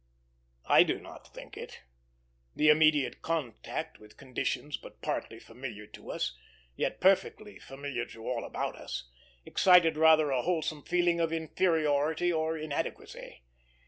I do not think it; the immediate contact with conditions but partly familiar to us, yet perfectly familiar to all about us, excited rather a wholesome feeling of inferiority or inadequacy.